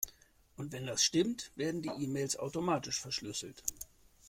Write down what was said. Und wenn das stimmt, werden die E-Mails automatisch verschlüsselt.